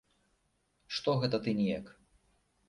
Што гэта ты неяк?